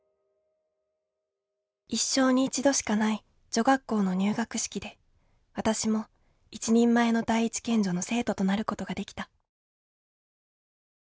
一生に一度しかない女学校の入学式で私も一人前の第一県女の生徒となることができた。